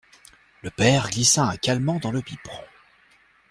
Le père glissa un calmant dans le biberon.